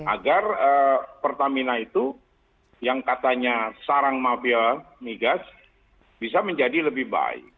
agar pertamina itu yang katanya sarang mafia migas bisa menjadi lebih baik